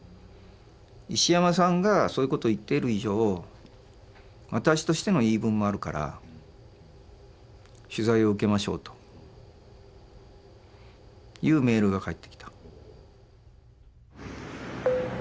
「石山さんがそういうことを言っている以上私としての言い分もあるから取材を受けましょう」というメールが返ってきた。